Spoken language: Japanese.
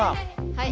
はい！